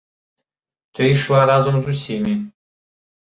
Ты ішла разам з усімі.